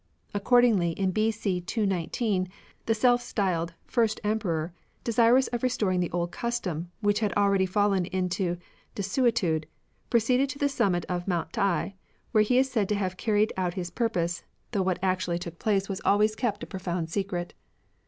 Accordingly, in B.C. 219, the self styled "First Emperor," desirous of restoring the old custom, which had already faUen into desuetude, proceeded to the summit of Mount T'ai, where he is said to have carried out his purpose, though what actually took place 44 CONFUCIANISM was always kept a profound secret.